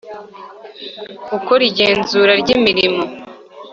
gukora igenzura ry imirimo